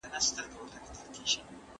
ایا نوي کروندګر وچه میوه پلوري؟